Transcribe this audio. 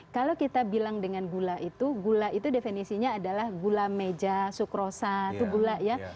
kalau kita bilang dengan gula itu gula itu definisinya adalah gula meja sukrosa itu gula ya